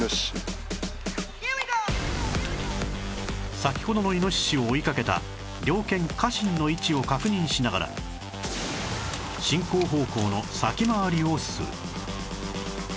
先ほどのイノシシを追いかけた猟犬カシンの位置を確認しながら進行方向の先回りをする